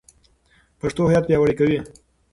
پښتو هویت پیاوړی کوي.